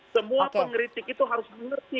semua pengkritik itu harus mengerti